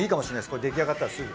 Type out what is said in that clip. これできあがったらすぐ。